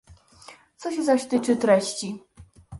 Co się zaś tyczy treści